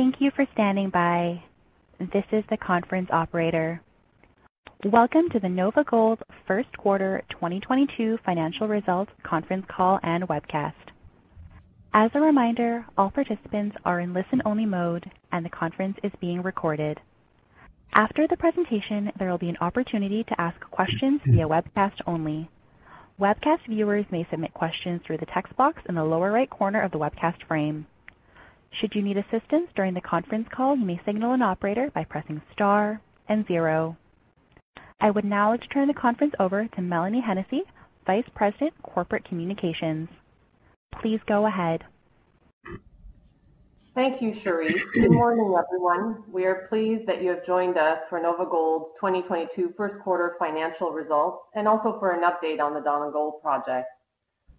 Thank you for standing by. This is the conference operator. Welcome to the NOVAGOLD First Quarter 2022 Financial Results Conference Call and Webcast. As a reminder, all participants are in listen only mode and the conference is being recorded. After the presentation, there will be an opportunity to ask questions via webcast only. Webcast viewers may submit questions through the text box in the lower right corner of the webcast frame. Should you need assistance during the conference call, you may signal an operator by pressing star and zero. I would now like to turn the conference over to Mélanie Hennessey, Vice President, Corporate Communications. Please go ahead. Thank you, Charisse. Good morning, everyone. We are pleased that you have joined us for NOVAGOLD's 2022 First Quarter Financial Results and also for an update on the Donlin Gold project.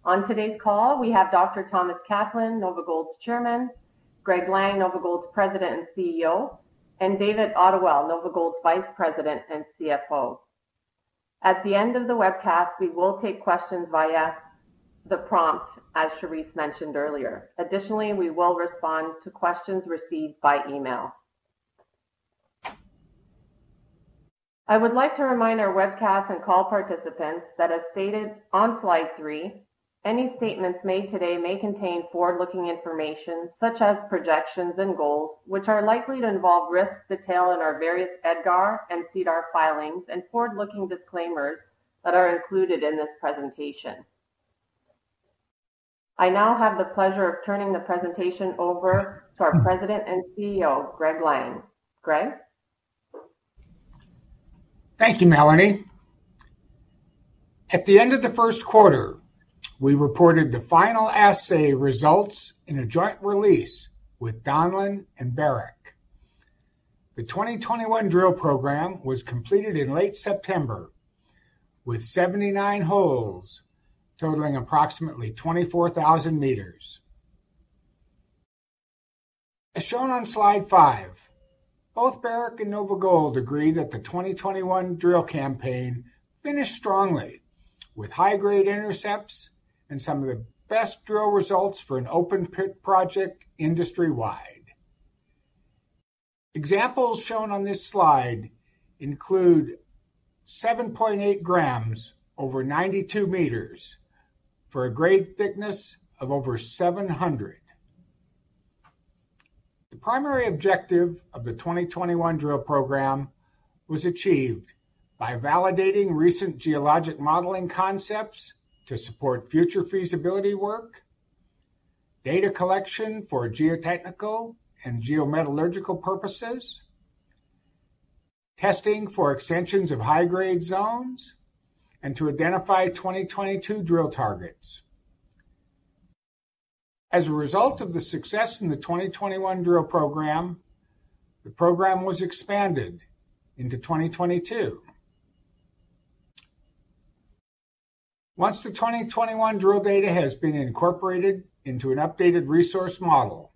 On today's call, we have Dr. Thomas Kaplan, NOVAGOLD's Chairman, Greg Lang, NOVAGOLD's President and CEO, and David Ottewell, NOVAGOLD's Vice President and CFO. At the end of the webcast, we will take questions via the prompt, as Charisse mentioned earlier. Additionally, we will respond to questions received by email. I would like to remind our webcast and call participants that as stated on slide three, any statements made today may contain forward-looking information such as projections and goals, which are likely to involve risks detailed in our various EDGAR and SEDAR filings and forward-looking disclaimers that are included in this presentation. I now have the pleasure of turning the presentation over to our President and CEO, Greg Lang. Greg? Thank you, Mélanie. At the end of the first quarter, we reported the final assay results in a joint release with Donlin and Barrick. The 2021 drill program was completed in late September with 79 holes totaling approximately 24,000 m. As shown on slide five, both Barrick and NOVAGOLD agree that the 2021 drill campaign finished strongly with high grade intercepts and some of the best drill results for an open pit project industry-wide. Examples shown on this slide include 7.8 grams over 92 m for a grade thickness of over 700. The primary objective of the 2021 drill program was achieved by validating recent geologic modeling concepts to support future feasibility work, data collection for geotechnical and geometallurgical purposes, testing for extensions of high-grade zones, and to identify 2022 drill targets. As a result of the success in the 2021 drill program, the program was expanded into 2022. Once the 2021 drill data has been incorporated into an updated resource model,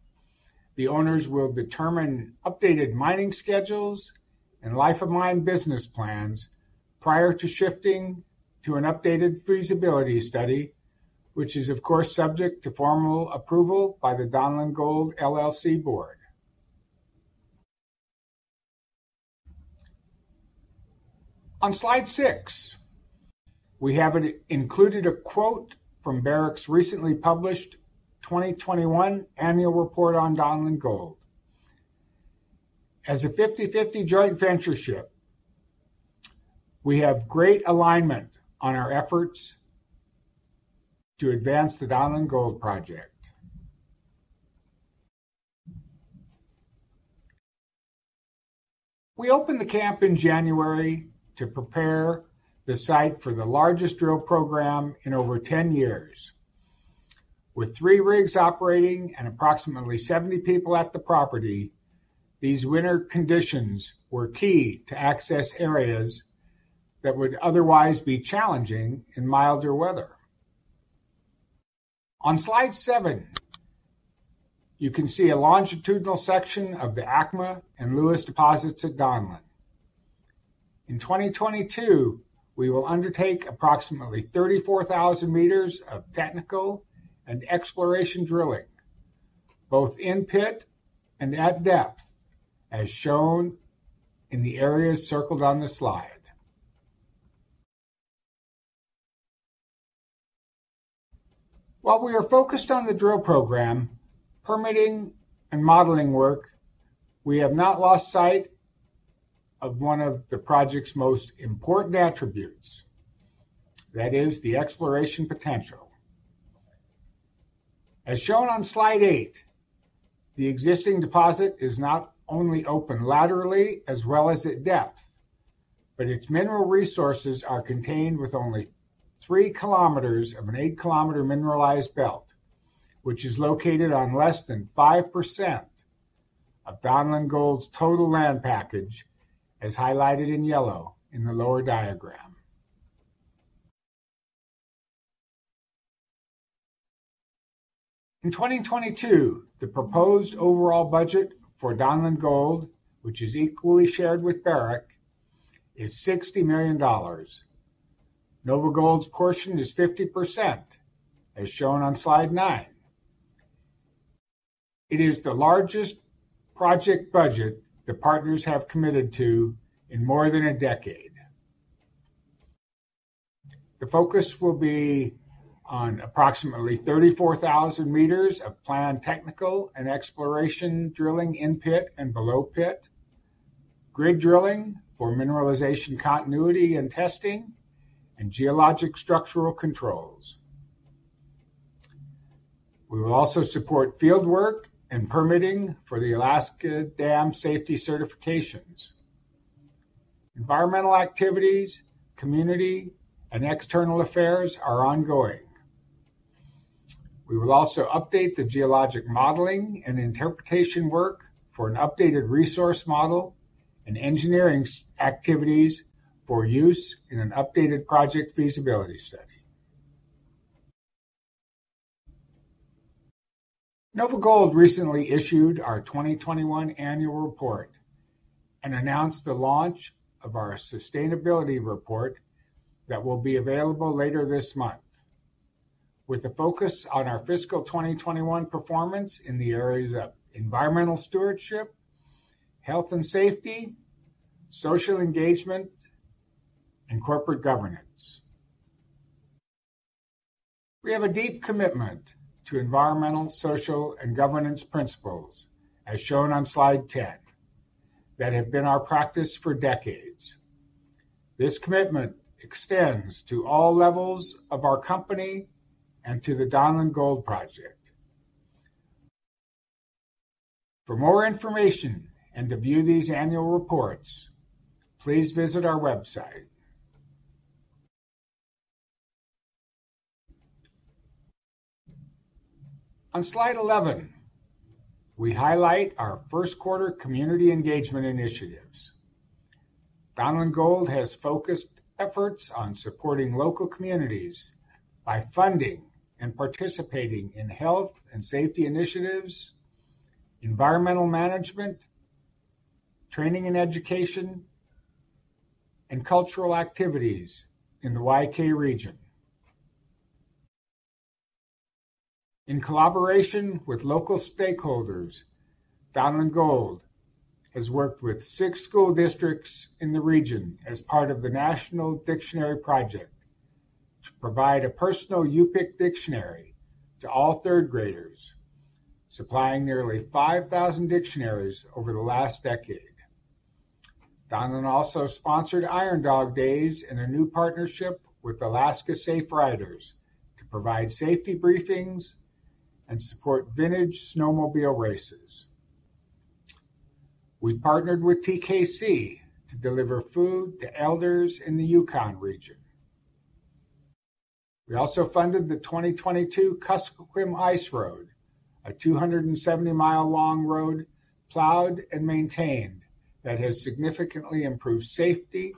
the owners will determine updated mining schedules and life of mine business plans prior to shifting to an updated feasibility study, which is of course subject to formal approval by the Donlin Gold LLC board. On slide six, we have included a quote from Barrick's recently published 2021 annual report on Donlin Gold. As a 50/50 joint venture, we have great alignment on our efforts to advance the Donlin Gold project. We opened the camp in January to prepare the site for the largest drill program in over 10 years. With three rigs operating and approximately 70 people at the property, these winter conditions were key to access areas that would otherwise be challenging in milder weather. On slide seven, you can see a longitudinal section of the ACMA and Lewis deposits at Donlin. In 2022, we will undertake approximately 34,000 m of technical and exploration drilling, both in pit and at depth, as shown in the areas circled on the slide. While we are focused on the drill program, permitting and modeling work, we have not lost sight of one of the project's most important attributes. That is the exploration potential. As shown on slide eight, the existing deposit is not only open laterally as well as at depth, but its mineral resources are contained within only 3 km of an 8 km mineralized belt, which is located on less than 5% of Donlin Gold's total land package, as highlighted in yellow in the lower diagram. In 2022, the proposed overall budget for Donlin Gold, which is equally shared with Barrick, is $60 million. NOVAGOLD's portion is 50%, as shown on slide nine. It is the largest project budget the partners have committed to in more than a decade. The focus will be on approximately 34,000 m of planned technical and exploration drilling in pit and below pit, grid drilling for mineralization continuity and testing, and geologic structural controls. We will also support field work and permitting for the Alaska Dam Safety certifications. Environmental activities, community, and external affairs are ongoing. We will also update the geologic modeling and interpretation work for an updated resource model and engineering activities for use in an updated project feasibility study. NOVAGOLD recently issued our 2021 annual report and announced the launch of our sustainability report that will be available later this month, with a focus on our fiscal 2021 performance in the areas of environmental stewardship, health and safety, social engagement, and corporate governance. We have a deep commitment to environmental, social, and governance principles, as shown on slide 10, that have been our practice for decades. This commitment extends to all levels of our company and to the Donlin Gold project. For more information and to view these annual reports, please visit our website. On slide 11, we highlight our first quarter community engagement initiatives. Donlin Gold has focused efforts on supporting local communities by funding and participating in health and safety initiatives, environmental management, training and education, and cultural activities in the Y-K region. In collaboration with local stakeholders, Donlin Gold has worked with six school districts in the region as part of the National Dictionary Project to provide a personal Yup'ik dictionary to all third graders, supplying nearly 5,000 dictionaries over the last decade. Donlin also sponsored Iron Dog Days in a new partnership with Alaska Safe Riders to provide safety briefings and support vintage snowmobile races. We partnered with TKC to deliver food to elders in the Yukon region. We also funded the 2022 Kuskokwim Ice Road, a 270-mi-long road plowed and maintained that has significantly improved safety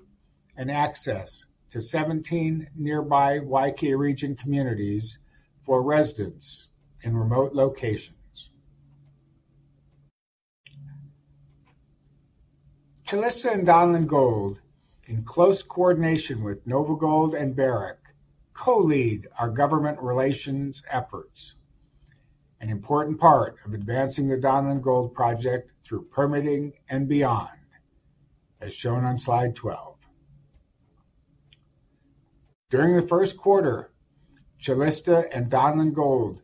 and access to 17 nearby Y-K region communities for residents in remote locations. Calista and Donlin Gold, in close coordination with NOVAGOLD and Barrick, co-lead our government relations efforts, an important part of advancing the Donlin Gold project through permitting and beyond, as shown on slide 12. During the first quarter, Calista and Donlin Gold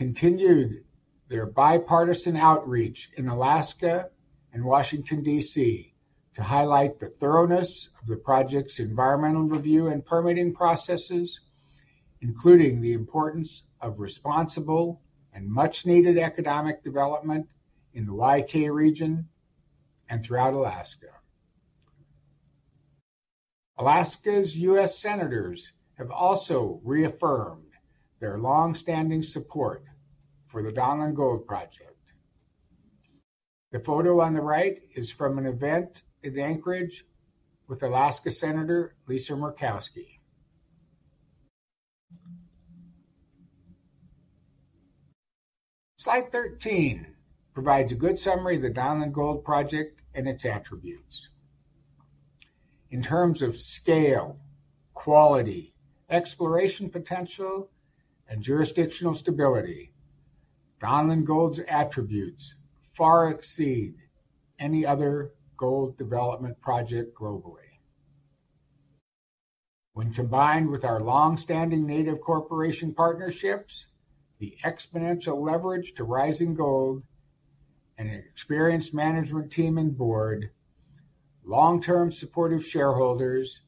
continued their bipartisan outreach in Alaska and Washington, D.C. to highlight the thoroughness of the project's environmental review and permitting processes, including the importance of responsible and much needed economic development in the Y-K region and throughout Alaska. Alaska's U.S. senators have also reaffirmed their long-standing support for the Donlin Gold project. The photo on the right is from an event in Anchorage with Alaska Senator Lisa Murkowski. Slide 13 provides a good summary of the Donlin Gold project and its attributes. In terms of scale, quality, exploration potential, and jurisdictional stability, Donlin Gold's attributes far exceed any other gold development project globally. When combined with our long-standing native corporation partnerships, the exponential leverage to rising gold, an experienced management team and board, long-term supportive shareholders,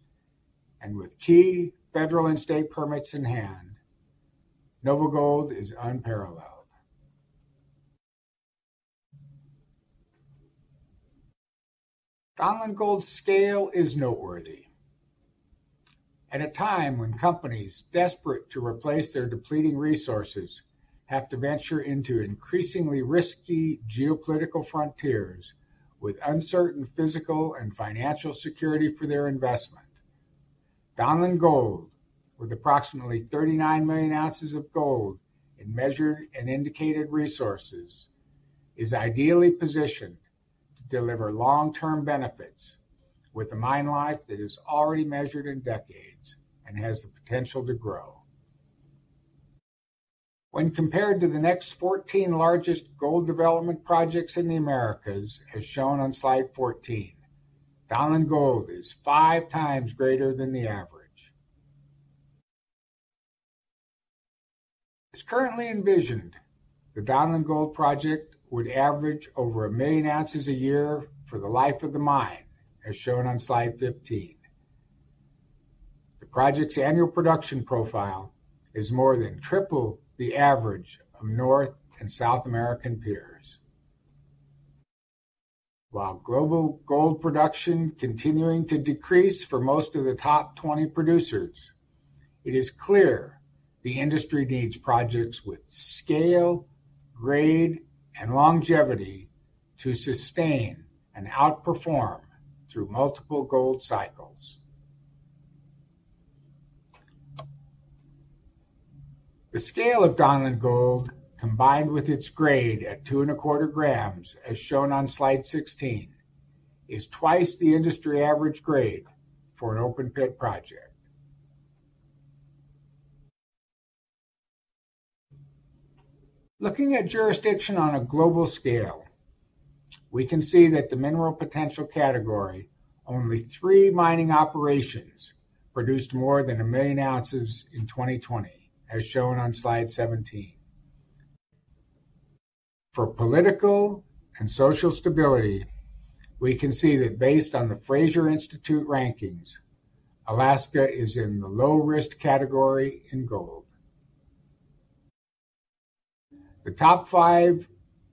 and with key federal and state permits in hand, NOVAGOLD is unparalleled. Donlin Gold's scale is noteworthy. At a time when companies desperate to replace their depleting resources have to venture into increasingly risky geopolitical frontiers with uncertain physical and financial security for their investment, Donlin Gold, with approximately 39 million oz of gold in measured and indicated resources, is ideally positioned to deliver long-term benefits with a mine life that is already measured in decades and has the potential to grow. When compared to the next 14 largest gold development projects in the Americas, as shown on slide 14, Donlin Gold is five times greater than the average. As currently envisioned, the Donlin Gold project would average over 1 million oz a year for the life of the mine, as shown on slide 15. The project's annual production profile is more than triple the average of North and South American peers. While global gold production continuing to decrease for most of the top 20 producers, it is clear the industry needs projects with scale, grade, and longevity to sustain and outperform through multiple gold cycles. The scale of Donlin Gold, combined with its grade at 2.25 grams, as shown on slide 16, is twice the industry average grade for an open-pit project. Looking at jurisdiction on a global scale, we can see that the mineral potential category, only three mining operations produced more than 1 million oz in 2020, as shown on slide 17. For political and social stability, we can see that based on the Fraser Institute rankings, Alaska is in the low-risk category in gold. The top five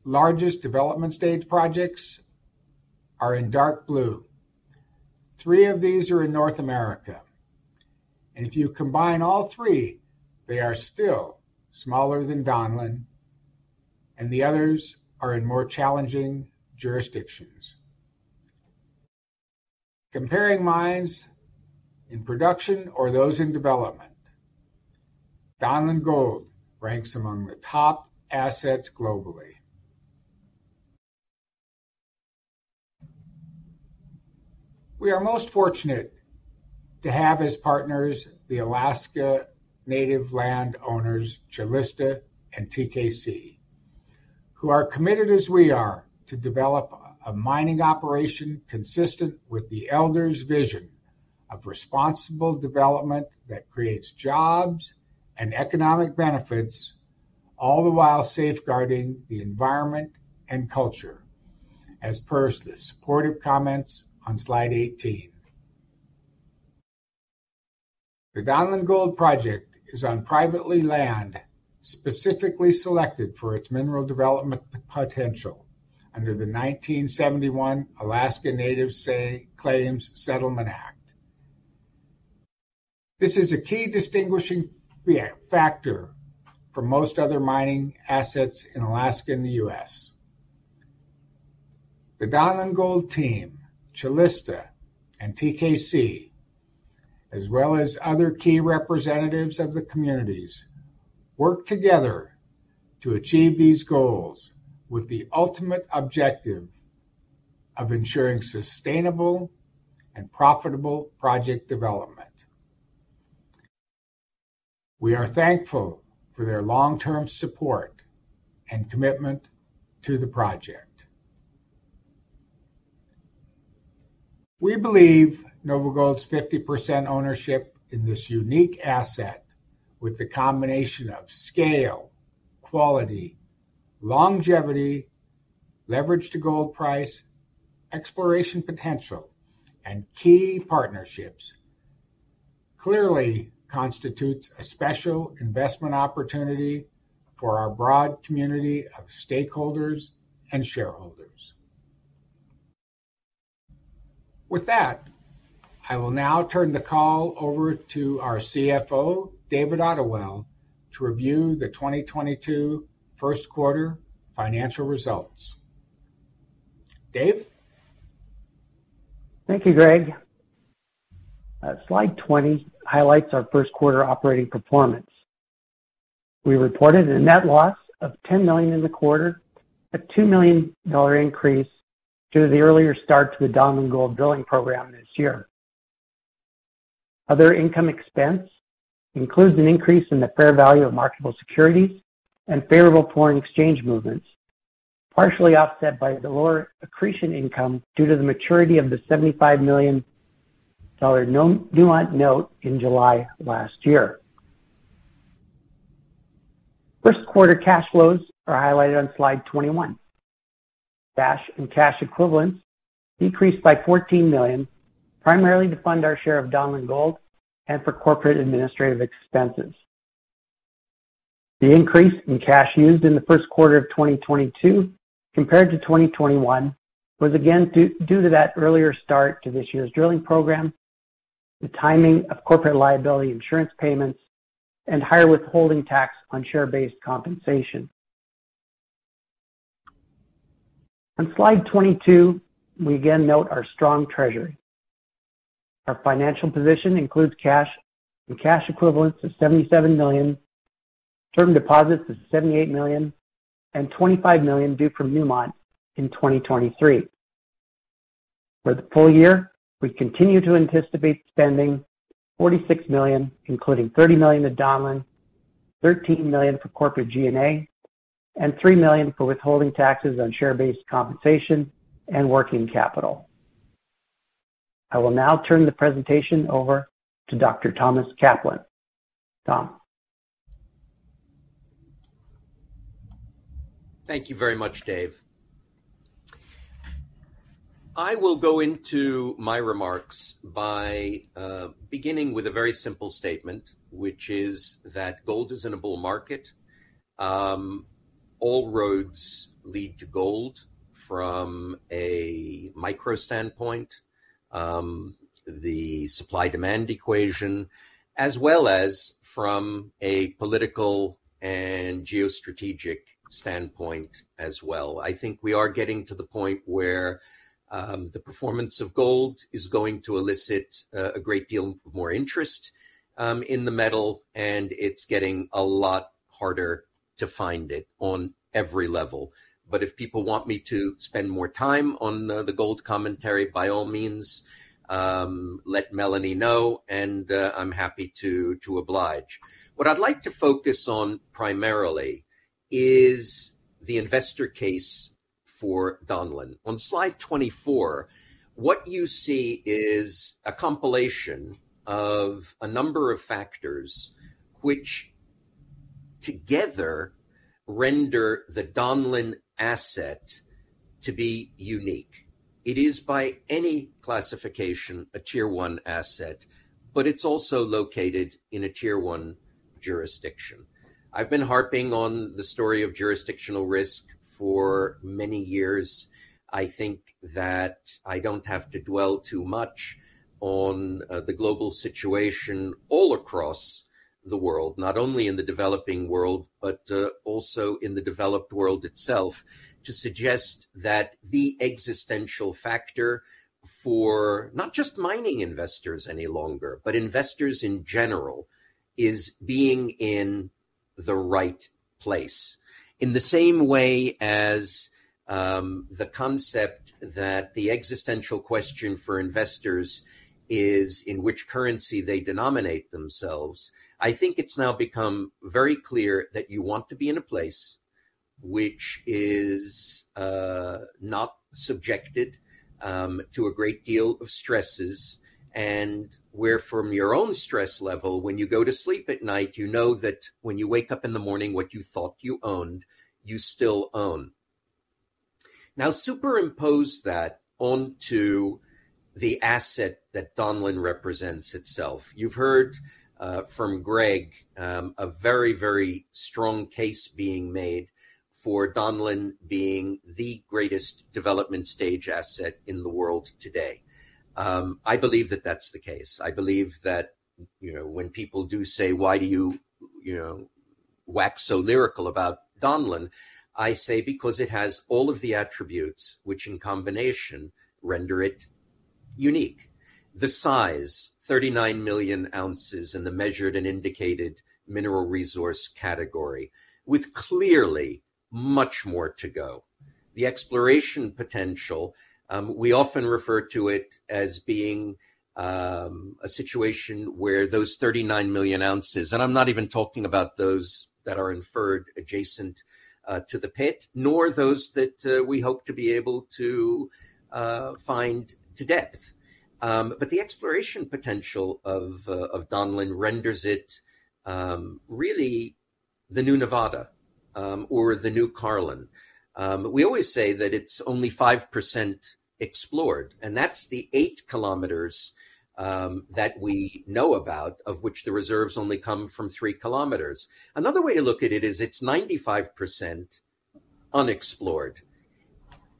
largest development stage projects are in dark blue. Three of these are in North America, and if you combine all three, they are still smaller than Donlin, and the others are in more challenging jurisdictions. Comparing mines in production or those in development, Donlin Gold ranks among the top assets globally. We are most fortunate to have as partners the Alaska Native land owners, Calista and TKC, who are committed as we are to develop a mining operation consistent with the elders' vision of responsible development that creates jobs and economic benefits all the while safeguarding the environment and culture, as per the supportive comments on slide 18. The Donlin Gold project is on private land, specifically selected for its mineral development potential under the 1971 Alaska Native Claims Settlement Act. This is a key distinguishing factor for most other mining assets in Alaska and the U.S. The Donlin Gold team, Calista and TKC, as well as other key representatives of the communities, work together to achieve these goals with the ultimate objective of ensuring sustainable and profitable project development. We are thankful for their long-term support and commitment to the project. We believe NOVAGOLD's 50% ownership in this unique asset with the combination of scale, quality, longevity, leverage to gold price, exploration potential, and key partnerships, clearly constitutes a special investment opportunity for our broad community of stakeholders and shareholders. With that, I will now turn the call over to our CFO, David Ottewell, to review the 2022 first quarter financial results. Dave? Thank you, Greg. Slide 20 highlights our first quarter operating performance. We reported a net loss of $10 million in the quarter, a $2 million increase due to the earlier start to the Donlin Gold drilling program this year. Other income expense includes an increase in the fair value of marketable securities and favorable foreign exchange movements, partially offset by the lower accretion income due to the maturity of the $75 million note receivable in July last year. First quarter cash flows are highlighted on slide 21. Cash and cash equivalents decreased by $14 million, primarily to fund our share of Donlin Gold and for corporate administrative expenses. The increase in cash used in the first quarter of 2022 compared to 2021 was again due to that earlier start to this year's drilling program, the timing of corporate liability insurance payments, and higher withholding tax on share-based compensation. On slide 22, we again note our strong treasury. Our financial position includes cash and cash equivalents of $77 million, term deposits of $78 million, and $25 million due from Newmont in 2023. For the full year, we continue to anticipate spending $46 million, including $30 million to Donlin, $13 million for corporate G&A, and $3 million for withholding taxes on share-based compensation and working capital. I will now turn the presentation over to Dr. Thomas Kaplan. Tom. Thank you very much, Dave. I will go into my remarks by beginning with a very simple statement, which is that gold is in a bull market. All roads lead to gold from a micro standpoint, the supply-demand equation, as well as from a political and geostrategic standpoint as well. I think we are getting to the point where the performance of gold is going to elicit a great deal more interest in the metal, and it's getting a lot harder to find it on every level. If people want me to spend more time on the gold commentary, by all means, let Mélanie know, and I'm happy to oblige. What I'd like to focus on primarily is the investor case for Donlin. On slide 24, what you see is a compilation of a number of factors which together render the Donlin asset to be unique. It is by any classification a tier one asset, but it's also located in a tier one jurisdiction. I've been harping on the story of jurisdictional risk for many years. I think that I don't have to dwell too much on the global situation all across the world, not only in the developing world, but also in the developed world itself, to suggest that the existential factor for not just mining investors any longer, but investors in general, is being in the right place. In the same way as the concept that the existential question for investors is in which currency they denominate themselves, I think it's now become very clear that you want to be in a place which is not subjected to a great deal of stresses and where from your own stress level when you go to sleep at night, you know that when you wake up in the morning, what you thought you owned, you still own. Now superimpose that onto the asset that Donlin represents itself. You've heard from Greg a very, very strong case being made for Donlin being the greatest development stage asset in the world today. I believe that that's the case. I believe that, you know, when people do say, "Why do you know, wax so lyrical about Donlin?" I say, because it has all of the attributes which in combination render it unique. The size, 39 million oz in the measured and indicated mineral resource category, with clearly much more to go. The exploration potential, we often refer to it as being a situation where those 39 million oz, and I'm not even talking about those that are inferred adjacent to the pit, nor those that we hope to be able to find to depth. But the exploration potential of Donlin renders it really the new Nevada or the new Carlin. We always say that it's only 5% explored, and that's the 8 km that we know about, of which the reserves only come from 3 km. Another way to look at it is it's 95% unexplored.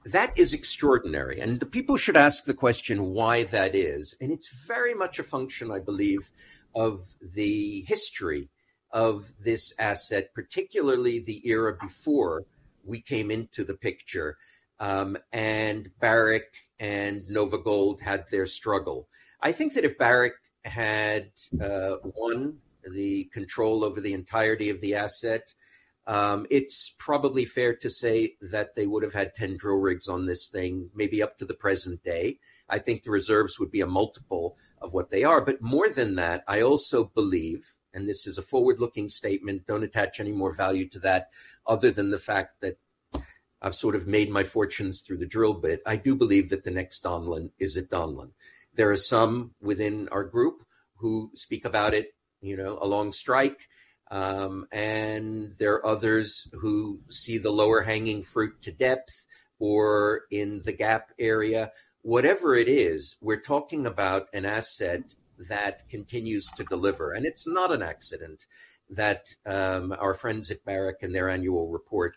That is extraordinary, and the people should ask the question why that is. It's very much a function, I believe, of the history of this asset, particularly the era before we came into the picture, and Barrick and NOVAGOLD had their struggle. I think that if Barrick had won the control over the entirety of the asset, it's probably fair to say that they would have had 10 drill rigs on this thing, maybe up to the present day. I think the reserves would be a multiple of what they are. More than that, I also believe, and this is a forward-looking statement, don't attach any more value to that other than the fact that I've sort of made my fortunes through the drill bit. I do believe that the next Donlin is at Donlin. There are some within our group who speak about it, you know, along strike, and there are others who see the lower hanging fruit to depth or in the gap area. Whatever it is, we're talking about an asset that continues to deliver. It's not an accident that our friends at Barrick in their annual report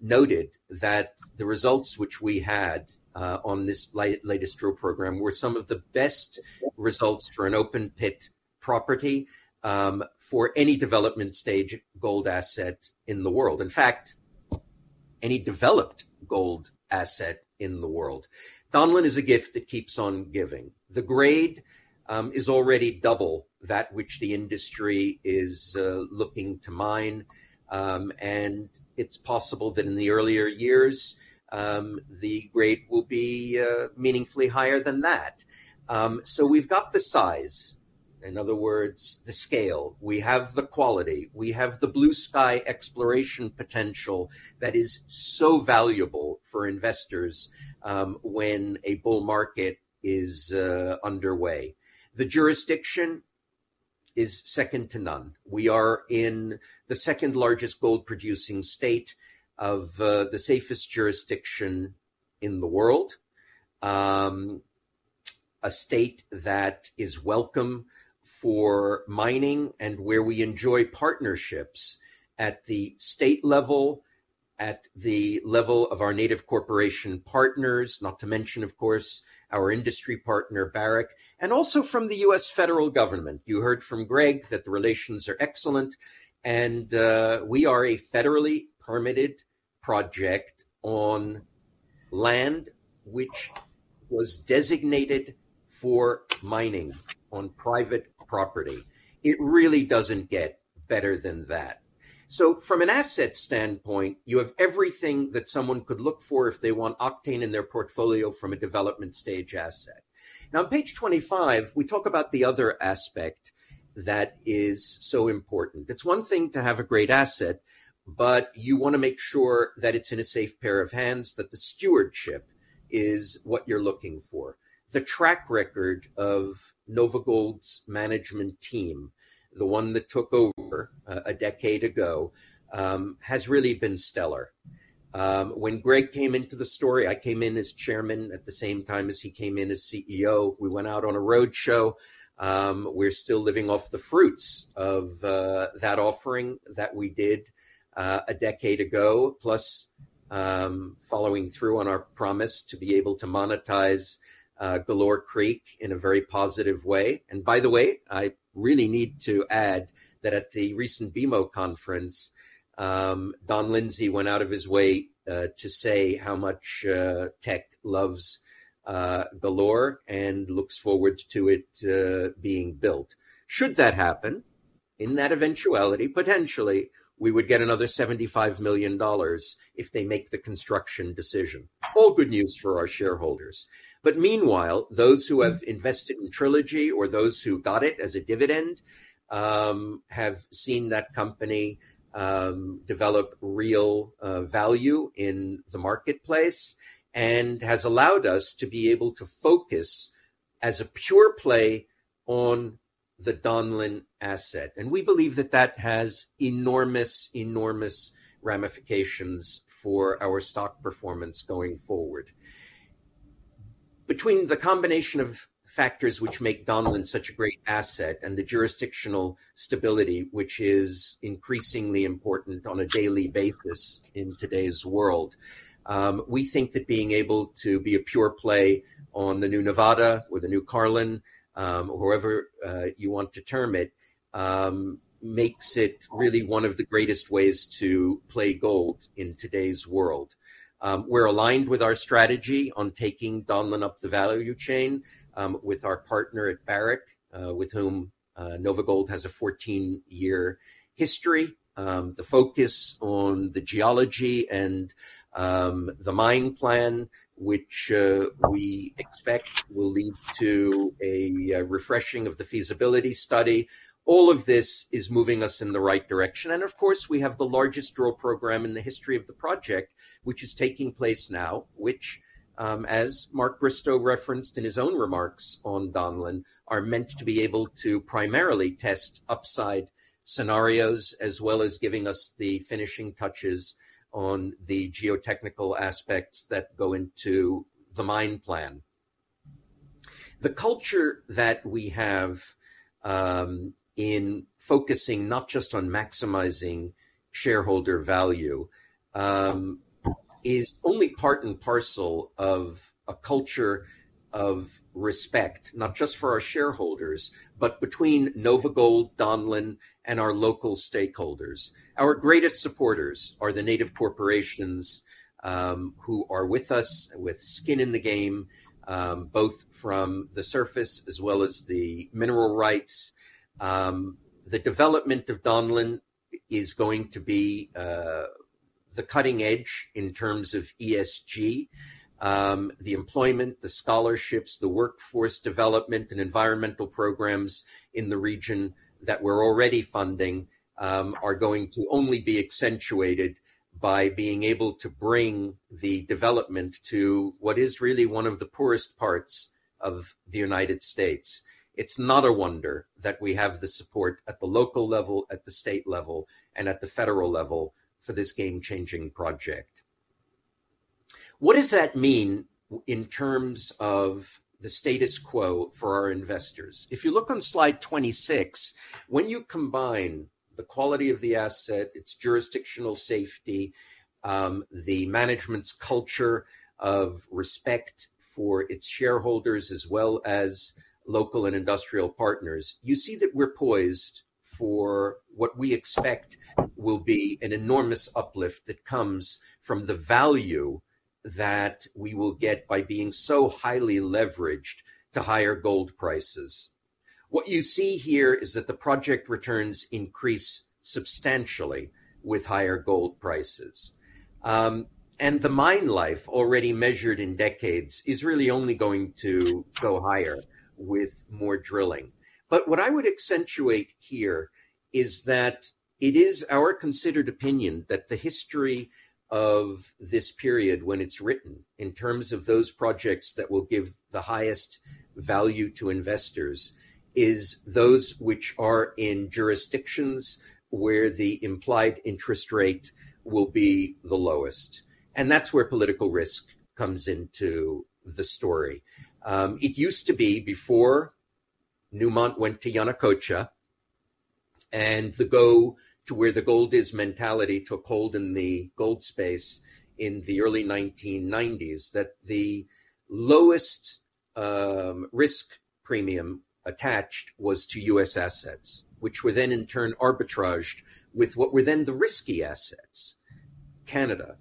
noted that the results which we had on this latest drill program were some of the best results for an open pit property for any development stage gold asset in the world. In fact, any developed gold asset in the world. Donlin is a gift that keeps on giving. The grade is already double that which the industry is looking to mine, and it's possible that in the earlier years the grade will be meaningfully higher than that. We've got the size, in other words, the scale. We have the quality. We have the blue-sky exploration potential that is so valuable for investors when a bull market is underway. The jurisdiction is second to none. We are in the second-largest gold-producing state of the safest jurisdiction in the world. A state that is welcome for mining and where we enjoy partnerships at the state level, at the level of our native corporation partners, not to mention, of course, our industry partner, Barrick, and also from the U.S. federal government. You heard from Greg that the relations are excellent and we are a federally permitted project on land which was designated for mining on private property. It really doesn't get better than that. From an asset standpoint, you have everything that someone could look for if they want octane in their portfolio from a development stage asset. Now, on page 25, we talk about the other aspect that is so important. It's one thing to have a great asset, but you wanna make sure that it's in a safe pair of hands, that the stewardship is what you're looking for. The track record of NOVAGOLD's management team, the one that took over a decade ago, has really been stellar. When Greg came into the story, I came in as Chairman at the same time as he came in as CEO. We went out on a road show. We're still living off the fruits of that offering that we did a decade ago, plus following through on our promise to be able to monetize Galore Creek in a very positive way. By the way, I really need to add that at the recent BMO conference, Don Lindsay went out of his way to say how much Teck loves Galore and looks forward to it being built. Should that happen, in that eventuality, potentially we would get another $75 million if they make the construction decision. All good news for our shareholders. Meanwhile, those who have invested in Trilogy or those who got it as a dividend have seen that company develop real value in the marketplace and has allowed us to be able to focus as a pure-play on the Donlin asset. We believe that that has enormous ramifications for our stock performance going forward. Between the combination of factors which make Donlin such a great asset and the jurisdictional stability, which is increasingly important on a daily basis in today's world, we think that being able to be a pure-play on the new Nevada or the new Carlin, however you want to term it, makes it really one of the greatest ways to play gold in today's world. We're aligned with our strategy on taking Donlin up the value chain, with our partner at Barrick, with whom NOVAGOLD has a 14-year history. The focus on the geology and the mine plan, which we expect will lead to a refreshing of the feasibility study, all of this is moving us in the right direction. Of course, we have the largest drill program in the history of the project, which is taking place now, which, as Mark Bristow referenced in his own remarks on Donlin, are meant to be able to primarily test upside scenarios as well as giving us the finishing touches on the geotechnical aspects that go into the mine plan. The culture that we have in focusing not just on maximizing shareholder value is only part and parcel of a culture of respect, not just for our shareholders, but between NOVAGOLD, Donlin, and our local stakeholders. Our greatest supporters are the native corporations who are with us with skin in the game both from the surface as well as the mineral rights. The development of Donlin is going to be the cutting edge in terms of ESG. The employment, the scholarships, the workforce development, and environmental programs in the region that we're already funding are going to only be accentuated by being able to bring the development to what is really one of the poorest parts of the United States. It's not a wonder that we have the support at the local level, at the state level, and at the federal level for this game-changing project. What does that mean in terms of the status quo for our investors? If you look on slide 26, when you combine the quality of the asset, its jurisdictional safety, the management's culture of respect for its shareholders as well as local and industrial partners, you see that we're poised for what we expect will be an enormous uplift that comes from the value that we will get by being so highly leveraged to higher gold prices. What you see here is that the project returns increase substantially with higher gold prices. The mine life already measured in decades is really only going to go higher with more drilling. What I would accentuate here is that it is our considered opinion that the history of this period when it's written in terms of those projects that will give the highest value to investors, is those which are in jurisdictions where the implied interest rate will be the lowest. That's where political risk comes into the story. It used to be before Newmont went to Yanacocha, and the go to where the gold is mentality took hold in the gold space in the early 1990s, that the lowest, risk premium attached was to U.S. assets, which were then in turn arbitraged with what were then the risky assets, Canada,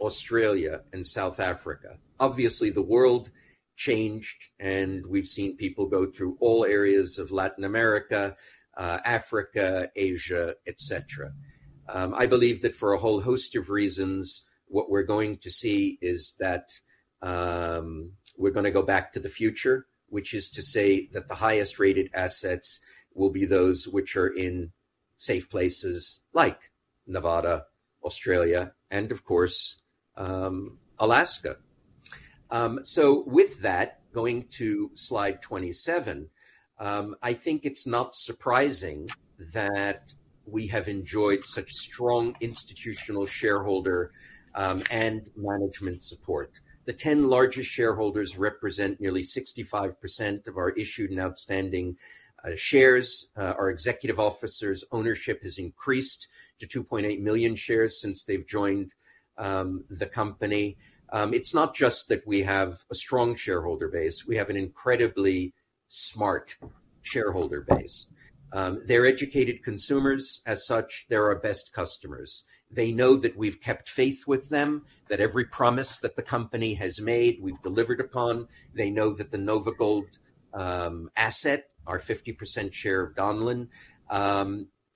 Australia, and South Africa. Obviously, the world changed, and we've seen people go through all areas of Latin America, Africa, Asia, et cetera. I believe that for a whole host of reasons, what we're going to see is that, we're gonna go back to the future, which is to say that the highest rated assets will be those which are in safe places like Nevada, Australia, and of course, Alaska. With that, going to slide 27, I think it's not surprising that we have enjoyed such strong institutional shareholder and management support. The 10 largest shareholders represent nearly 65% of our issued and outstanding shares. Our executive officers ownership has increased to 2.8 million shares since they've joined the company. It's not just that we have a strong shareholder base, we have an incredibly smart shareholder base. They're educated consumers. As such, they're our best customers. They know that we've kept faith with them, that every promise that the company has made, we've delivered upon. They know that the NOVAGOLD asset, our 50% share of Donlin,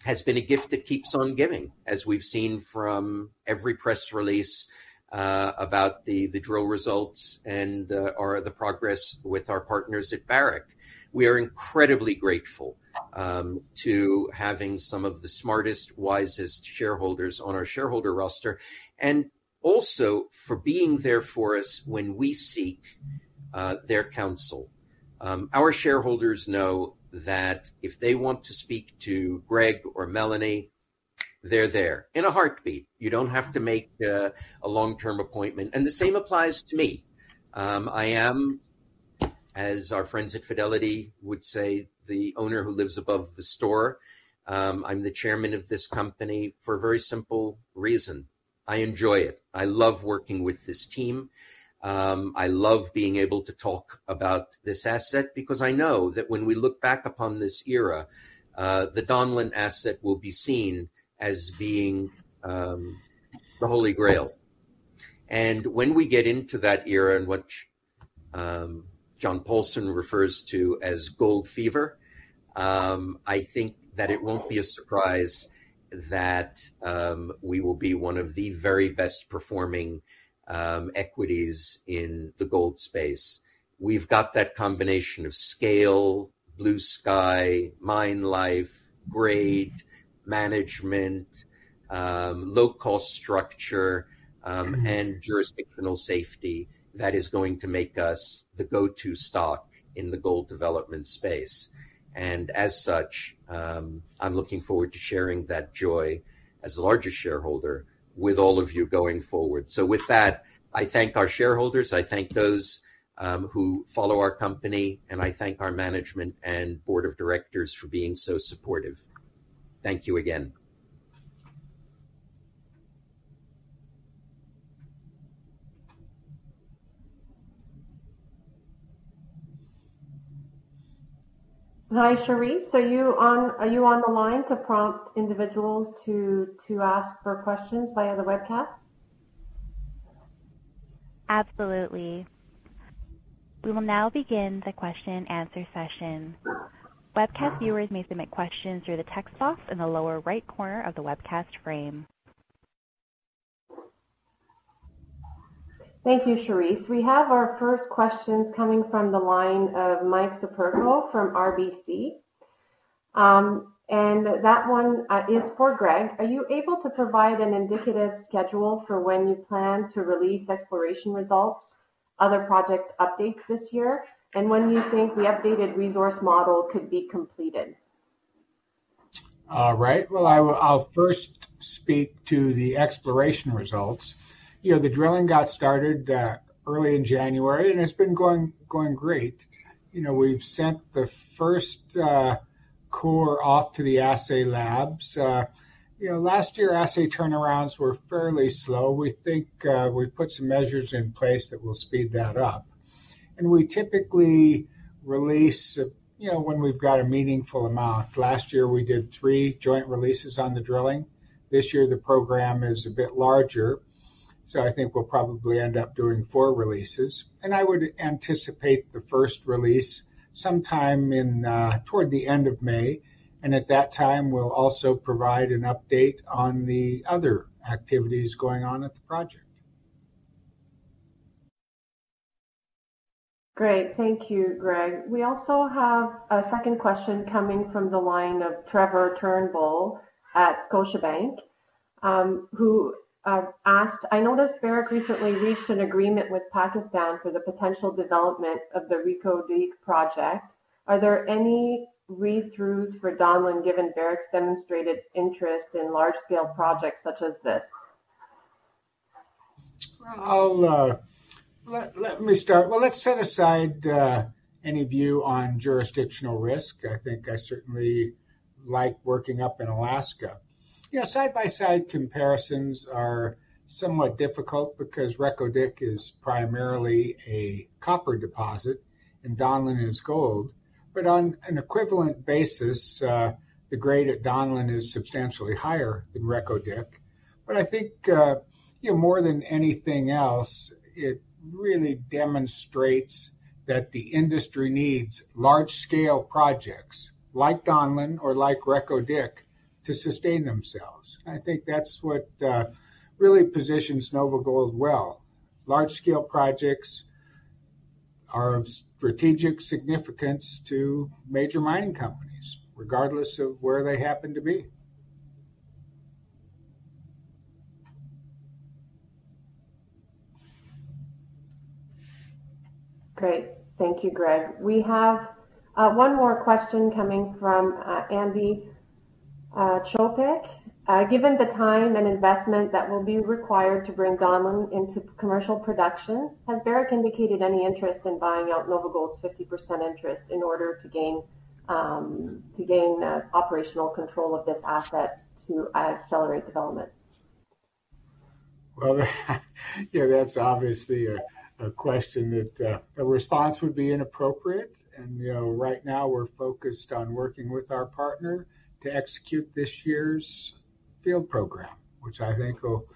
has been a gift that keeps on giving, as we've seen from every press release about the drill results or the progress with our partners at Barrick. We are incredibly grateful to having some of the smartest, wisest shareholders on our shareholder roster, and also for being there for us when we seek their counsel. Our shareholders know that if they want to speak to Greg or Mélanie, they're there in a heartbeat. You don't have to make a long-term appointment, and the same applies to me. I am, as our friends at Fidelity would say, the owner who lives above the store. I'm the chairman of this company for a very simple reason. I enjoy it. I love working with this team. I love being able to talk about this asset because I know that when we look back upon this era, the Donlin asset will be seen as being the Holy Grail. When we get into that era in which John Paulson refers to as gold fever, I think that it won't be a surprise that we will be one of the very best-performing equities in the gold space. We've got that combination of scale, blue-sky, mine life, grade, management, low cost structure, and jurisdictional safety that is going to make us the go-to stock in the gold development space. As such, I'm looking forward to sharing that joy as the largest shareholder with all of you going forward. With that, I thank our shareholders, I thank those who follow our company, and I thank our management and Board of Directors for being so supportive. Thank you again. Hi, Charisse. Are you on the line to prompt individuals to ask for questions via the webcast? Absolutely. We will now begin the question and answer session. Webcast viewers may submit questions through the text box in the lower right corner of the webcast frame. Thank you, Charisse. We have our first questions coming from the line of Mike Siperco from RBC. That one is for Greg. Are you able to provide an indicative schedule for when you plan to release exploration results, other project updates this year, and when you think the updated resource model could be completed? Right. Well, I'll first speak to the exploration results. You know, the drilling got started early in January, and it's been going great. You know, we've sent the first core off to the assay labs. You know, last year assay turnarounds were fairly slow. We think we put some measures in place that will speed that up. We typically release, you know, when we've got a meaningful amount. Last year we did three joint releases on the drilling. This year the program is a bit larger, so I think we'll probably end up doing four releases. I would anticipate the first release sometime in toward the end of May. At that time, we'll also provide an update on the other activities going on at the project. Great. Thank you, Greg. We also have a second question coming from the line of Trevor Turnbull at Scotiabank, who asked, I noticed Barrick recently reached an agreement with Pakistan for the potential development of the Reko Diq project. Are there any read-throughs for Donlin given Barrick's demonstrated interest in large scale projects such as this? Let me start. Well, let's set aside any view on jurisdictional risk. I think I certainly like working up in Alaska. You know, side-by-side comparisons are somewhat difficult because Reko Diq is primarily a copper deposit and Donlin is gold. On an equivalent basis, the grade at Donlin is substantially higher than Reko Diq. I think, you know, more than anything else, it really demonstrates that the industry needs large scale projects like Donlin or like Reko Diq to sustain themselves. I think that's what really positions NOVAGOLD well. Large scale projects are of strategic significance to major mining companies, regardless of where they happen to be. Great. Thank you, Greg. We have one more question coming from Andy Chopic. Given the time and investment that will be required to bring Donlin into commercial production, has Barrick indicated any interest in buying out NOVAGOLD's 50% interest in order to gain operational control of this asset to accelerate development? Well, you know, that's obviously a question that a response would be inappropriate. You know, right now we're focused on working with our partner to execute this year's field program, which I think will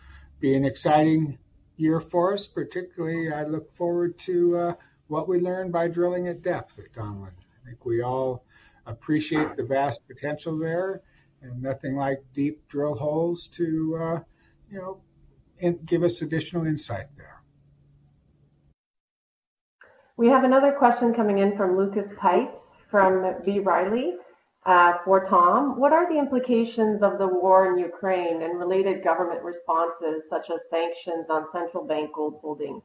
be an exciting year for us. Particularly, I look forward to what we learn by drilling at depth at Donlin. I think we all appreciate the vast potential there, and nothing like deep drill holes to you know and give us additional insight there. We have another question coming in from Lucas Pipes from B. Riley. For Tom. What are the implications of the war in Ukraine and related government responses such as sanctions on central bank gold holdings?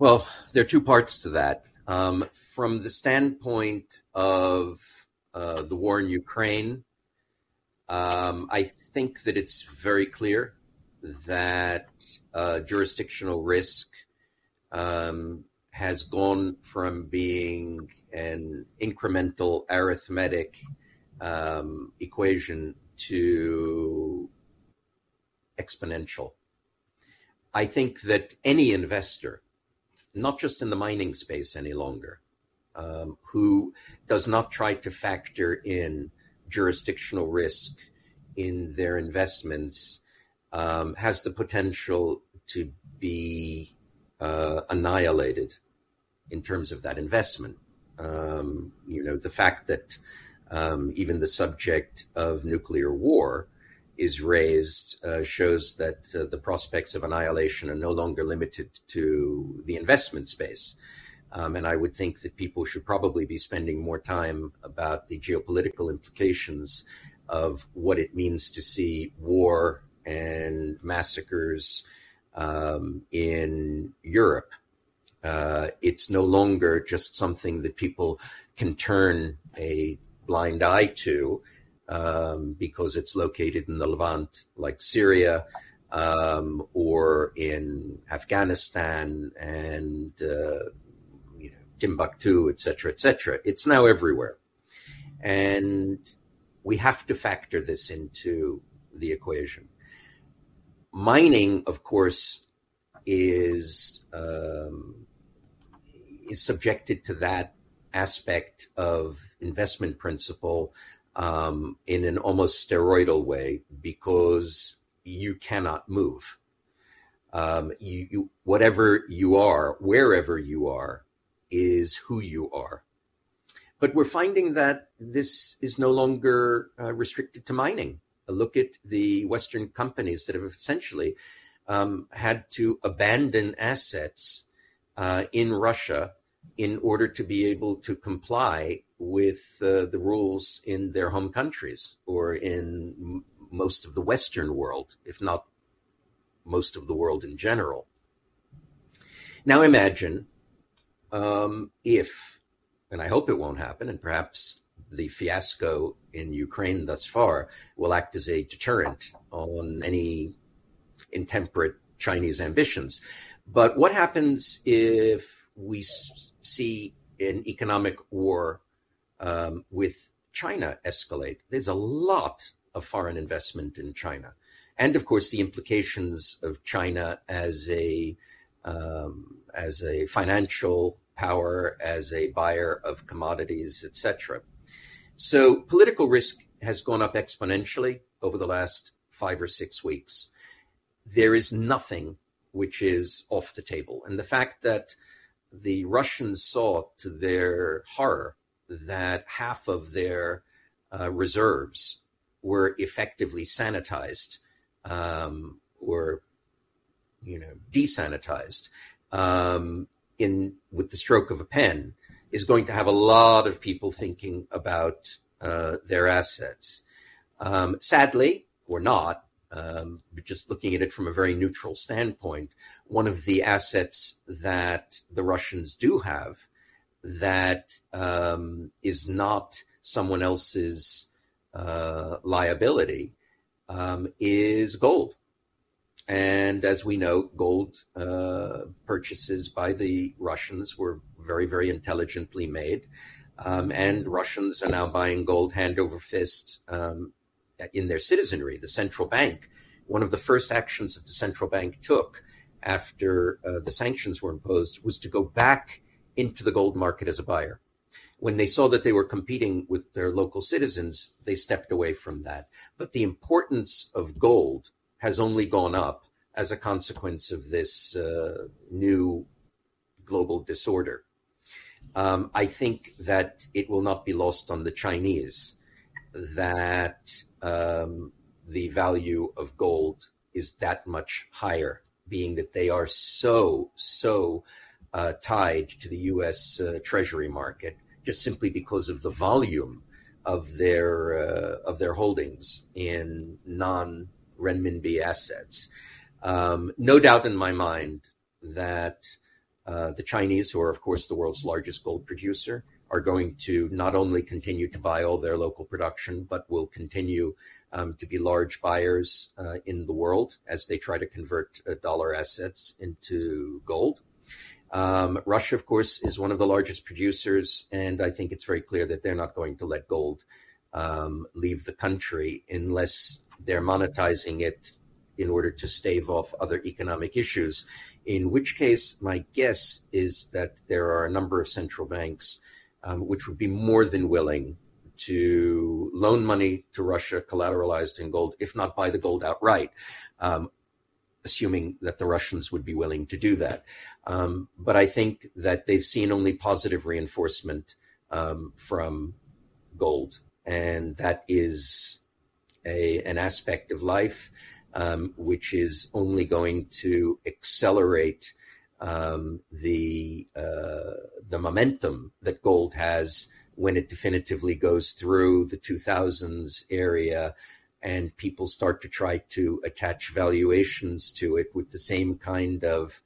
Well, there are two parts to that. From the standpoint of the war in Ukraine, I think that it's very clear that jurisdictional risk has gone from being an incremental arithmetic equation to exponential. I think that any investor, not just in the mining space any longer, who does not try to factor in jurisdictional risk in their investments, has the potential to be annihilated in terms of that investment. You know, the fact that even the subject of nuclear war is raised shows that the prospects of annihilation are no longer limited to the investment space. I would think that people should probably be spending more time about the geopolitical implications of what it means to see war and massacres in Europe. It's no longer just something that people can turn a blind eye to, because it's located in the Levant like Syria, or in Afghanistan and, you know, Timbuktu, et cetera. It's now everywhere, and we have to factor this into the equation. Mining, of course, is subjected to that aspect of investment principle, in an almost steroidal way because you cannot move. Whatever you are, wherever you are is who you are. But we're finding that this is no longer restricted to mining. Look at the Western companies that have essentially had to abandon assets, in Russia in order to be able to comply with the rules in their home countries or in most of the Western world, if not most of the world in general. Now imagine if, and I hope it won't happen, and perhaps the fiasco in Ukraine thus far will act as a deterrent on any intemperate Chinese ambitions. What happens if we see an economic war with China escalate, there's a lot of foreign investment in China, and of course, the implications of China as a as a financial power, as a buyer of commodities, et cetera. Political risk has gone up exponentially over the last five or six weeks. There is nothing which is off the table, and the fact that the Russians saw to their horror that half of their reserves were effectively sanitized, or, you know, desanitized, with the stroke of a pen, is going to have a lot of people thinking about their assets. Sadly or not, just looking at it from a very neutral standpoint, one of the assets that the Russians do have that is not someone else's liability is gold. As we know, gold purchases by the Russians were very, very intelligently made. Russians are now buying gold hand over fist in their citizenry. One of the first actions that the central bank took after the sanctions were imposed was to go back into the gold market as a buyer. When they saw that they were competing with their local citizens, they stepped away from that. The importance of gold has only gone up as a consequence of this new global disorder. I think that it will not be lost on the Chinese that the value of gold is that much higher, being that they are so, tied to the U.S. Treasury market just simply because of the volume of their holdings in non-renminbi assets. No doubt in my mind that the Chinese, who are of course the world's largest gold producer, are going to not only continue to buy all their local production, but will continue to be large buyers in the world as they try to convert dollar assets into gold. Russia, of course, is one of the largest producers, and I think it's very clear that they're not going to let gold leave the country unless they're monetizing it in order to stave off other economic issues. In which case, my guess is that there are a number of central banks, which would be more than willing to loan money to Russia collateralized in gold, if not buy the gold outright, assuming that the Russians would be willing to do that. I think that they've seen only positive reinforcement from gold, and that is an aspect of life which is only going to accelerate the momentum that gold has when it definitively goes through the 2,000 area and people start to try to attach valuations to it with the same kind of,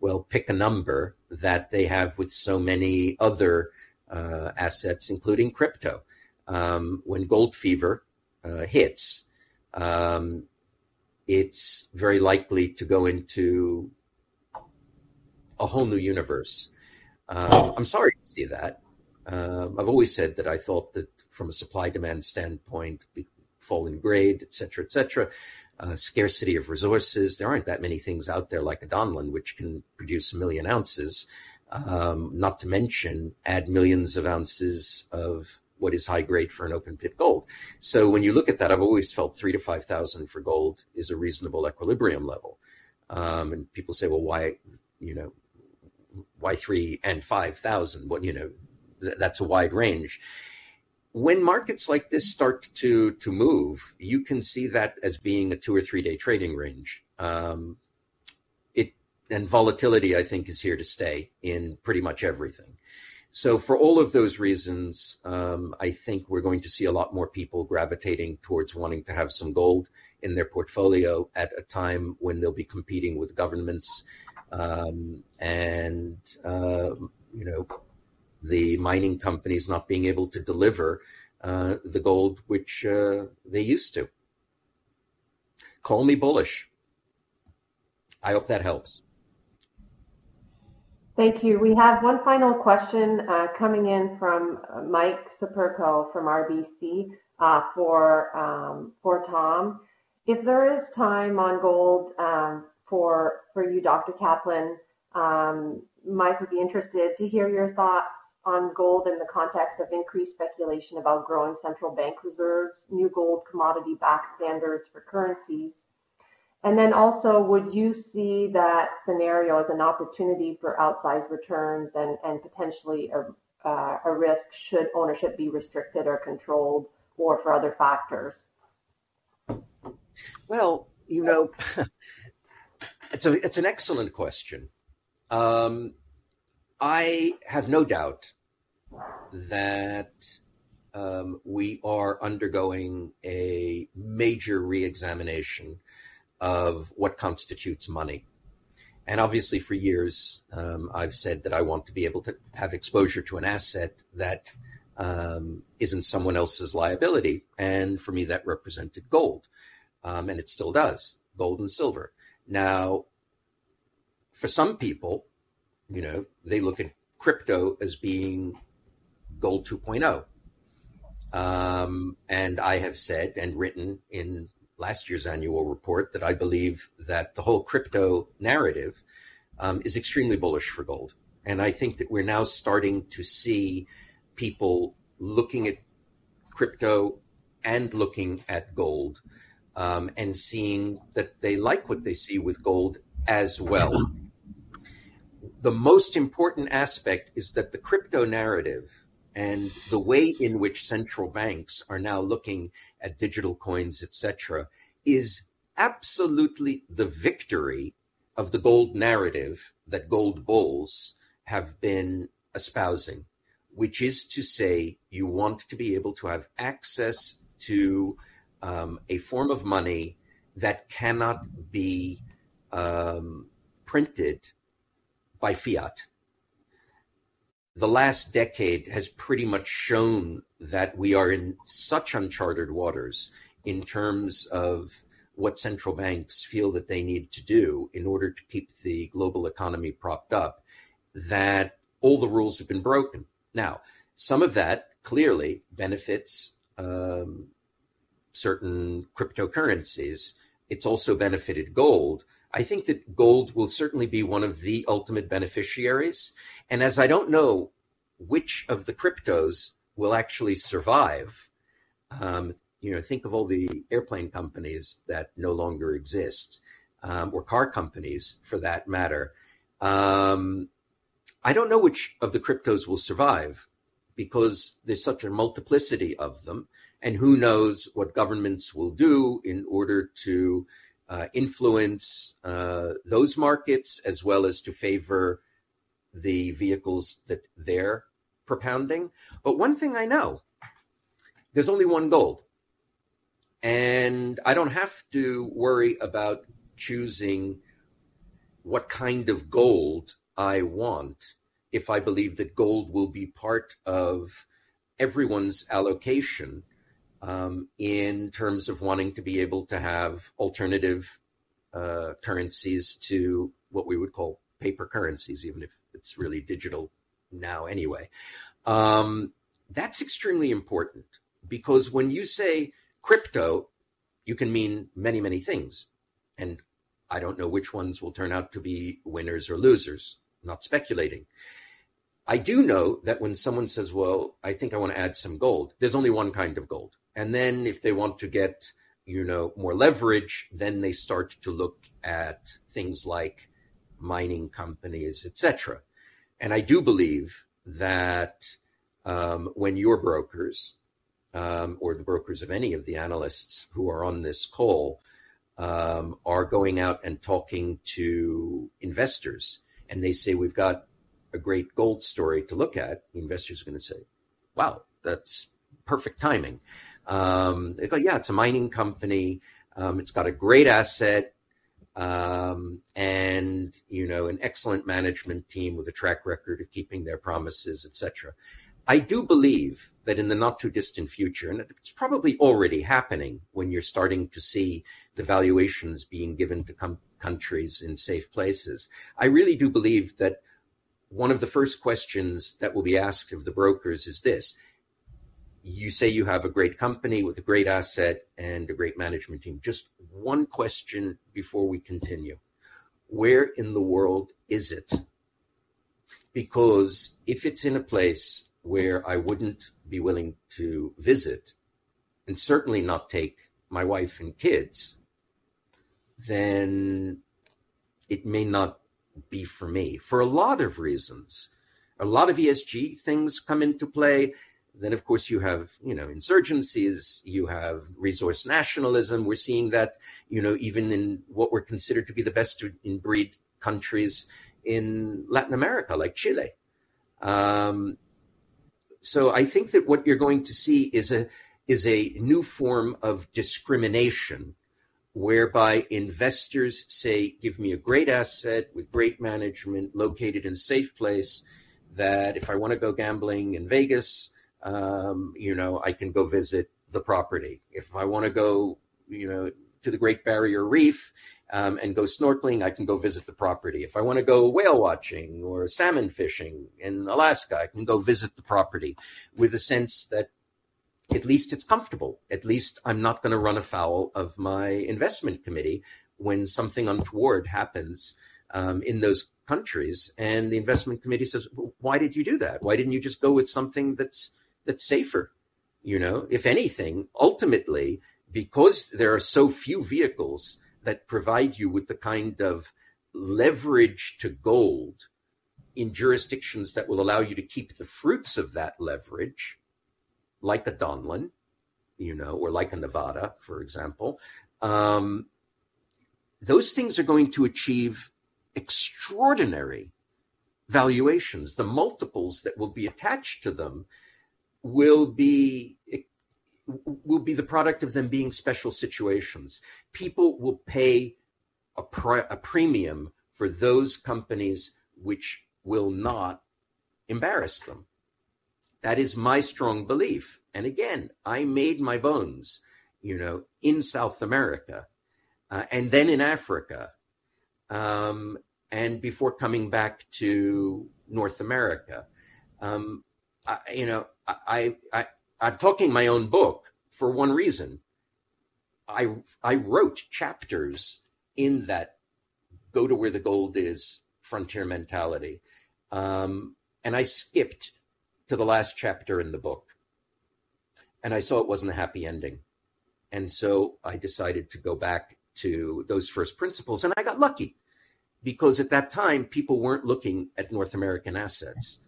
well, pick a number, that they have with so many other assets, including crypto. When gold fever hits, it's very likely to go into a whole new universe. I'm sorry to see that. I've always said that I thought that from a supply-demand standpoint, falling grade, et cetera, scarcity of resources, there aren't that many things out there like Donlin, which can produce 1 million oz, not to mention add millions of ounces of what is high grade for an open-pit gold. So when you look at that, I've always felt $3,000-$5,000 for gold is a reasonable equilibrium level. People say, "Well, why, you know, why $3,000 and $5,000? Well, you know, that's a wide range." When markets like this start to move, you can see that as being a two- or three-day trading range. Volatility, I think, is here to stay in pretty much everything. For all of those reasons, I think we're going to see a lot more people gravitating towards wanting to have some gold in their portfolio at a time when they'll be competing with governments, and you know, the mining companies not being able to deliver, the gold which they used to. Call me bullish. I hope that helps. Thank you. We have one final question coming in from Mike Siperco from RBC for Tom. If there is time on gold for you, Dr. Kaplan, Mike would be interested to hear your thoughts on gold in the context of increased speculation about growing central bank reserves, new gold commodity-backed standards for currencies. Would you see that scenario as an opportunity for outsized returns and potentially a risk should ownership be restricted or controlled, or for other factors? Well, you know, it's an excellent question. I have no doubt that we are undergoing a major reexamination of what constitutes money. Obviously, for years, I've said that I want to be able to have exposure to an asset that isn't someone else's liability. For me, that represented gold, and it still does, gold and silver. Now, for some people, you know, they look at crypto as being gold 2.0. I have said and written in last year's annual report that I believe that the whole crypto narrative is extremely bullish for gold. I think that we're now starting to see people looking at crypto and looking at gold, and seeing that they like what they see with gold as well. The most important aspect is that the crypto narrative and the way in which central banks are now looking at digital coins, et cetera, is absolutely the victory of the gold narrative that gold bulls have been espousing. Which is to say, you want to be able to have access to a form of money that cannot be printed by fiat. The last decade has pretty much shown that we are in such uncharted waters in terms of what central banks feel that they need to do in order to keep the global economy propped up, that all the rules have been broken. Now, some of that clearly benefits certain cryptocurrencies. It's also benefited gold. I think that gold will certainly be one of the ultimate beneficiaries, and as I don't know which of the cryptos will actually survive. You know, think of all the airplane companies that no longer exist, or car companies for that matter. I don't know which of the cryptos will survive because there's such a multiplicity of them, and who knows what governments will do in order to influence those markets as well as to favor the vehicles that they're propounding. One thing I know, there's only one gold, and I don't have to worry about choosing what kind of gold I want if I believe that gold will be part of everyone's allocation, in terms of wanting to be able to have alternative currencies to what we would call paper currencies, even if it's really digital now anyway. That's extremely important because when you say crypto, you can mean many, many things, and I don't know which ones will turn out to be winners or losers. Not speculating. I do know that when someone says, "Well, I think I wanna add some gold," there's only one kind of gold. And then if they want to get, you know, more leverage, then they start to look at things like mining companies, et cetera. And I do believe that, when your brokers, or the brokers of any of the analysts who are on this call, are going out and talking to investors and they say, "We've got a great gold story to look at," the investor's gonna say, "Wow, that's perfect timing." They go, "Yeah, it's a mining company. It's got a great asset, and, you know, an excellent management team with a track record of keeping their promises, et cetera." I do believe that in the not-too-distant future, and it's probably already happening when you're starting to see the valuations being given to countries in safe places. I really do believe that one of the first questions that will be asked of the brokers is this: "You say you have a great company with a great asset and a great management team. Just one question before we continue. Where in the world is it?" Because if it's in a place where I wouldn't be willing to visit, and certainly not take my wife and kids, then it may not be for me for a lot of reasons. A lot of ESG things come into play. Then, of course, you have, you know, insurgencies. You have resource nationalism. We're seeing that, you know, even in what were considered to be the best top-tier countries in Latin America, like Chile. I think that what you're going to see is a new form of discrimination whereby investors say, "Give me a great asset with great management located in a safe place that if I wanna go gambling in Vegas, you know, I can go visit the property. If I wanna go, you know, to the Great Barrier Reef, and go snorkeling, I can go visit the property. If I wanna go whale watching or salmon fishing in Alaska, I can go visit the property with a sense that at least it's comfortable. At least I'm not gonna run afoul of my investment committee when something untoward happens in those countries and the investment committee says, "Well, why did you do that? Why didn't you just go with something that's safer?" You know, if anything, ultimately, because there are so few vehicles that provide you with the kind of leverage to gold in jurisdictions that will allow you to keep the fruits of that leverage, like a Donlin, you know, or like a Nevada, for example, those things are going to achieve extraordinary valuations. The multiples that will be attached to them will be the product of them being special situations. People will pay a premium for those companies which will not embarrass them. That is my strong belief. Again, I made my bones, you know, in South America, and then in Africa, and before coming back to North America. You know, I'm talking my own book for one reason. I wrote chapters in that go to where the gold is frontier mentality. I skipped to the last chapter in the book, and I saw it wasn't a happy ending. I decided to go back to those first principles, and I got lucky because at that time, people weren't looking at North American assets.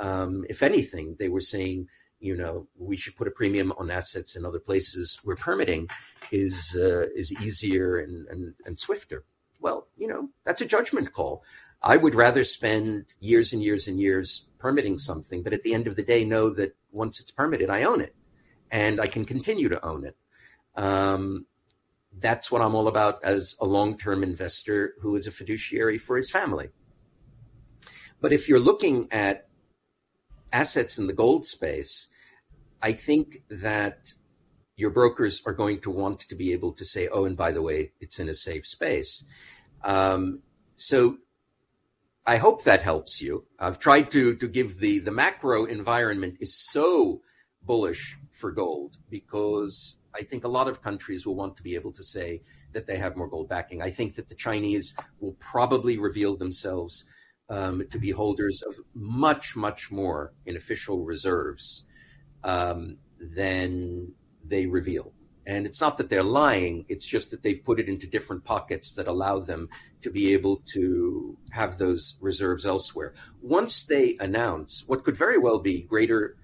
If anything, they were saying, you know, we should put a premium on assets in other places where permitting is easier and swifter. Well, you know, that's a judgment call. I would rather spend years and years and years permitting something, but at the end of the day, know that once it's permitted, I own it, and I can continue to own it. That's what I'm all about as a long-term investor who is a fiduciary for his family. If you're looking at assets in the gold space, I think that your brokers are going to want to be able to say, "Oh, and by the way, it's in a safe space." I hope that helps you. The macro environment is so bullish for gold because I think a lot of countries will want to be able to say that they have more gold backing. I think that the Chinese will probably reveal themselves to be holders of much, much more in official reserves than they reveal. It's not that they're lying, it's just that they've put it into different pockets that allow them to be able to have those reserves elsewhere. Once they announce what could very well be greater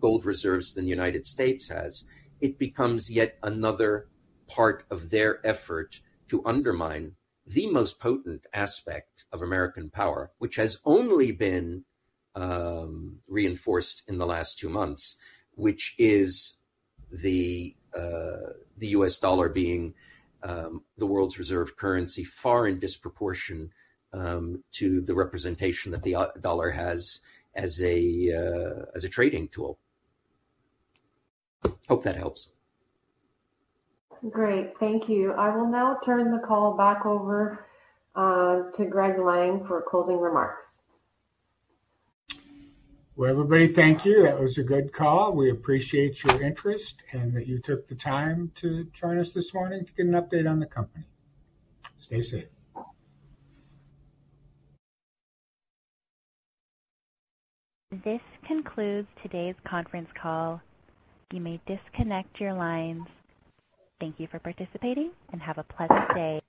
gold reserves than United States has, it becomes yet another part of their effort to undermine the most potent aspect of American power, which has only been reinforced in the last two months, which is the U.S. dollar being the world's reserve currency far in disproportion to the representation that the dollar has as a trading tool. Hope that helps. Great. Thank you. I will now turn the call back over to Greg Lang for closing remarks. Well, everybody, thank you. That was a good call. We appreciate your interest and that you took the time to join us this morning to get an update on the company. Stay safe. This concludes today's conference call. You may disconnect your lines. Thank you for participating and have a pleasant day.